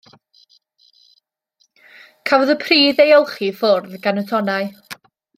Cafodd y pridd ei olchi i ffwrdd gan y tonnau.